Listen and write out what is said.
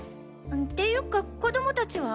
っていうか子供達は？